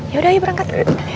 yaudah yuk berangkat